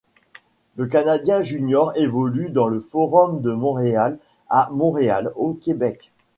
Le Canadien junior évolue dans le Forum de Montréal à Montréal, au Québec.